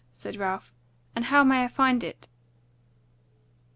said Ralph, "and how may I find it?"